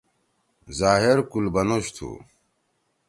ظاہر کُل بنوش تُھو۔